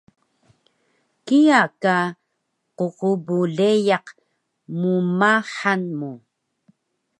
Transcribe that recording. kiya ka qqbleyaq mmahan mu